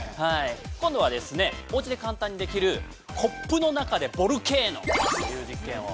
今度は、おうちで簡単にできるコップの中でボルケーノという実験を。